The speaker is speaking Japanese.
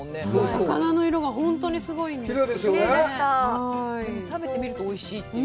魚の色が本当にすごいですね。